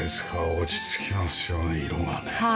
落ち着きますよね色がね。